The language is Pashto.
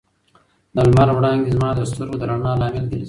د لمر وړانګې زما د سترګو د رڼا لامل ګرځي.